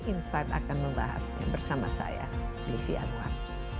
insight akan membahas bersama saya nisi alwan